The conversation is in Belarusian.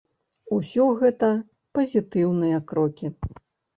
Усё гэта пазітыўныя крокі.